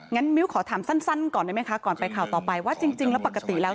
งั้นมิ้วขอถามสั้นก่อนได้ไหมคะก่อนไปข่าวต่อไปว่าจริงแล้วปกติแล้ว